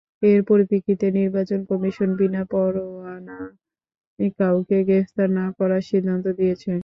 এর পরিপ্রেক্ষিতে নির্বাচন কমিশন বিনা পরোয়ানায় কাউকে গ্রেপ্তার না করার সিদ্ধান্ত দিয়েছে।